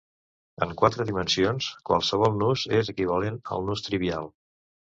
En quatre dimensions, qualsevol nus és equivalent al nus trivial.